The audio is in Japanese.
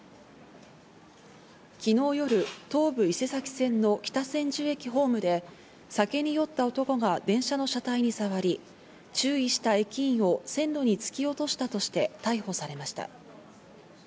昨日夜、東武伊勢崎線の北千住駅ホームで酒に酔った男が電車の車体に触り、注意した駅員を線路につき落としたとして逮捕されました。